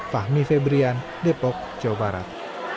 fahmi febrian depok jawa barat